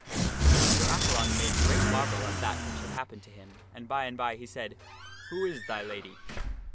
Then Sir Accalon made great marvel at that which had happened to him, and by and by he said, " Who is thy lady?"